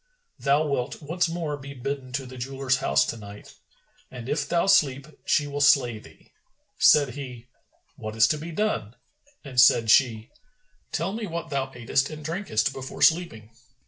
Thou wilt once more be bidden to the jeweller's house to night,[FN#416] and if thou sleep, she will slay thee." Said he, "What is to be done?"; and said she, "Tell me what thou atest and drankest before sleeping."